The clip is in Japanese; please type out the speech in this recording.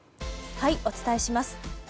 お伝えします。